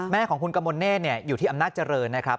แม่ของคุณกมลเนธอยู่ที่อำนาจเจริญนะครับ